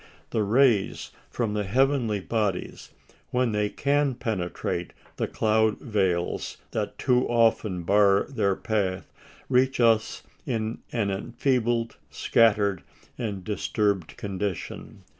The rays from the heavenly bodies, when they can penetrate the cloud veils that too often bar their path, reach us in an enfeebled, scattered, and disturbed condition.